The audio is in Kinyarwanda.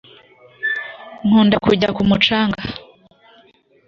nkunda kujya ku mucanga